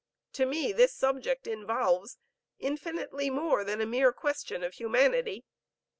To me this subject involves infinitely more than a mere question of humanity.